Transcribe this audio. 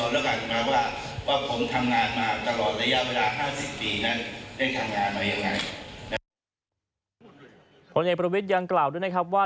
รวมในบริวิทย์ยังกล่าวด้วยนะครับว่า